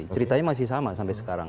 ceritanya masih sama sampai sekarang